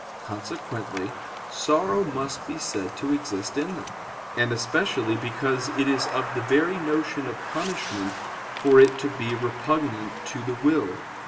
Consequently, sorrow must be said to exist in them: and especially because it is of the very notion of punishment for it to be repugnant to the will.